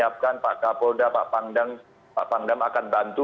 pak pangdam akan bantu